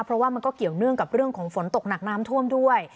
เพราะว่ามันก็เกี่ยวเนื่องกับเรื่องของฝนตกหนักน้ำท่วมด้วย